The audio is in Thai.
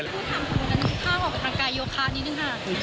ถ้าคุณถามผมอันนี้ข้างออกเป็นทางกายโยคะนิดนึงค่ะ